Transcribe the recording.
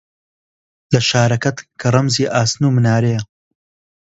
لە شارەکەت، کە ڕەمزی ئاسن و منارەیە